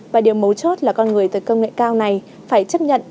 và điều mấu chốt là con người tới công nghệ cao này phải chấp nhận